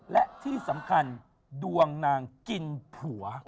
และที่สำคัญดวงนางกินผัว